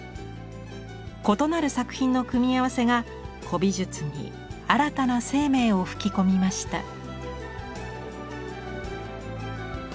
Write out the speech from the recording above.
異なる作品の組み合わせが古美術に新たな生命を吹き込みました。